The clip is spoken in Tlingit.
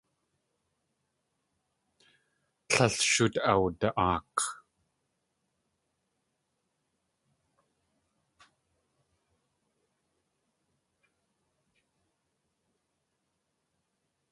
Tlél shóot awda.aak.